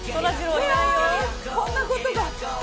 こんなことが。